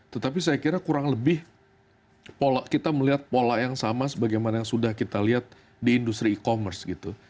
tetapi saya kira kurang lebih kita melihat pola yang sama sebagaimana yang sudah kita lihat di industri e commerce gitu